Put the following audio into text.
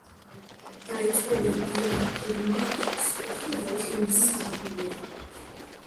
დაიწყო რეგულარული ღვთისმსახურება.